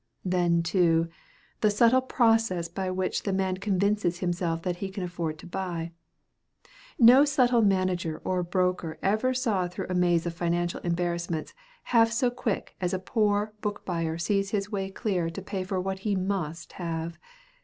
Then, too, the subtle process by which the man convinces himself that he can afford to buy. No subtle manager or broker ever saw through a maze of financial embarrassments half so quick as a poor book buyer sees his way clear to pay for what he must have.